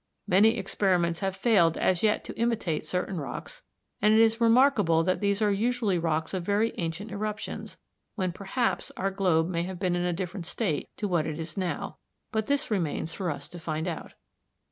Many experiments have failed as yet to imitate certain rocks, and it is remarkable that these are usually rocks of very ancient eruptions, when perhaps our globe may have been in a different state to what it is now; but this remains for us to find out.